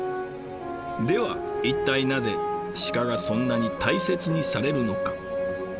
では一体なぜ鹿がそんなに大切にされるのか？